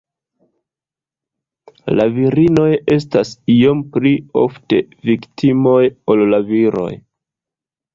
La virinoj estas iom pli ofte viktimoj ol la viroj.